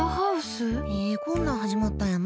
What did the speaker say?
こんなん始まったんやな。